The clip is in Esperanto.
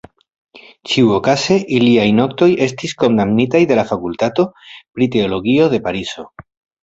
Ĉiuokaze, liaj notoj estis kondamnitaj de la Fakultato pri Teologio de Parizo.